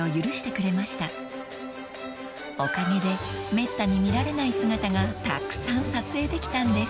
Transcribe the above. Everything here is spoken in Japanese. ［おかげでめったに見られない姿がたくさん撮影できたんです］